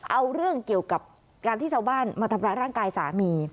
เอาเรื่องเกี่ยวกับการที่ชาวบ้านมาทำร้ายร่างกายสามี